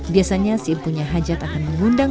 biasanya si empunya hajat akan mengundang orang